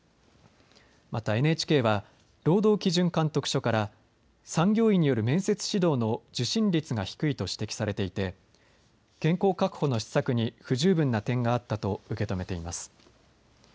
またＮＨＫは労働基準監督署から産業医による面接指導の受診率が低いと指摘されていて健康確保の施策に不十分な点があったと受け止めています。